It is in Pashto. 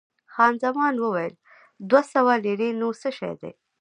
خان زمان وویل، دوه سوه لیرې نو څه شی دي؟